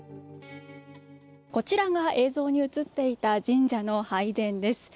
こちらが、映像に映っていた神社の拝殿です。